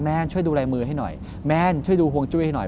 ช่วยดูลายมือให้หน่อยแม่นช่วยดูห่วงจุ้ยให้หน่อย